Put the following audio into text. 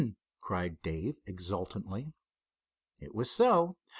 cried Dave exultantly. It was so.